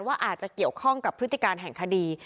ว่าอาจจะเกี่ยวข้องกับพฤติการแห่งคดี